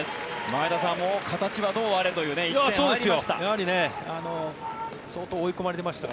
前田さん、形はどうあれという１点入りました。